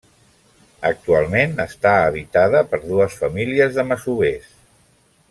Actualment està habitada per dues famílies de masovers.